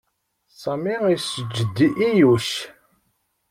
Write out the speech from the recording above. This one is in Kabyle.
Sami yesǧed i Yuc.